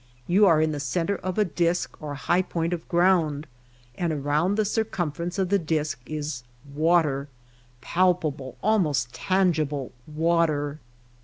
You are in the centre of a disk or high point of ground, and around the circumference of the disk is water — palpable, almost tangible, water.